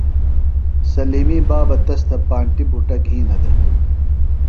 سلِیمی بابہ تس تھےۡ پانٹیۡ بُٹہ گِھینہ دےۡ۔